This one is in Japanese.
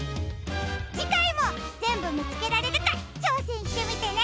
じかいもぜんぶみつけられるかちょうせんしてみてね！